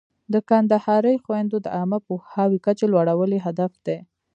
د کندهاري خویندو د عامه پوهاوي کچه لوړول یې هدف دی.